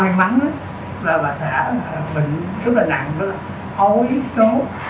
điều hòa nơi nhưng mà cái may mắn là bà xã bệnh rất là nặng rất là khó giết chó